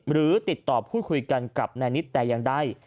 หรือติดต่อพูดคุยกันกับนายนิดแต่ยังได้